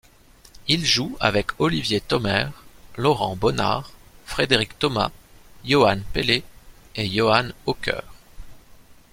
Il joue avec Olivier Thomert, Laurent Bonnart, Frédéric Thomas, Yohann Pelé et Yohan Hautcœur.